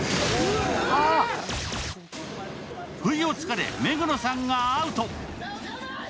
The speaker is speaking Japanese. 不意を突かれ、目黒さんがアウト。